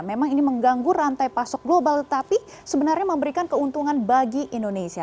memang ini mengganggu rantai pasok global tetapi sebenarnya memberikan keuntungan bagi indonesia